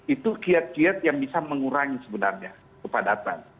itu kiat kiat yang bisa mengurangi sebenarnya kepadatan